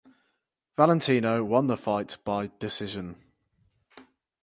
Valentino won the fight by decision.